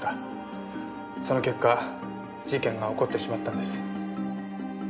その結果事件が起こってしまったんです。